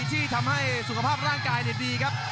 ที่ทำให้สุขภาพร่างกายดีครับ